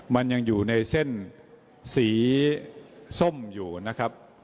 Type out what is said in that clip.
มันยังอยู่ในเส้นสีส้มอยู่นะครับ